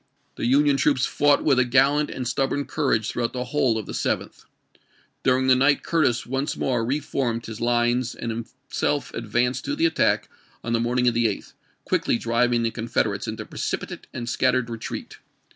The Union troops fought with a gallant and stub born courage throughout the whole of the 7th. During the night Curtis once more re formed his lines and himself advanced to the attack on the morningof the 8th, quickly driving the Confederates into precipitate and scattered retreat.